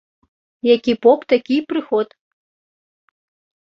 Які поп, такі й прыход